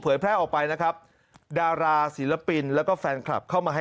แพร่ออกไปนะครับดาราศิลปินแล้วก็แฟนคลับเข้ามาให้